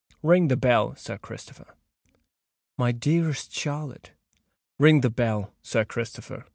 Ring the bell, Sir Christopher." "My dearest Charlotte——" "Ring the bell, Sir Christopher!"